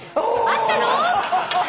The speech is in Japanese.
あったの！？